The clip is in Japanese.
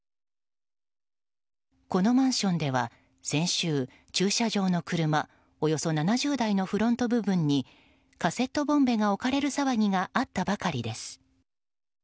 このマンションでは、先週駐車場の車およそ７０台のフロント部分にカセットボンベが置かれる騒ぎがあったばかりです。